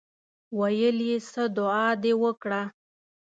ویل یې څه دعا دې وکړه.